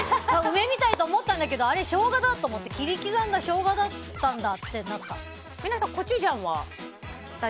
梅みたいと思ったんだけどあれ、ショウガだと思って切り刻んだショウガだったんだってなった。